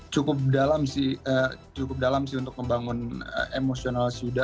cukup dalam sih untuk membangun emosional si yudha